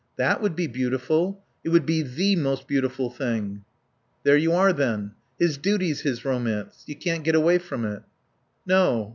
That would be beautiful; it would be the most beautiful thing." "There you are, then. His duty's his romance. You can't get away from it." "No."